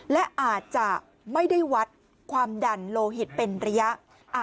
และอาจจะไม่ได้วัดความดันโลหิตเป็นระยะ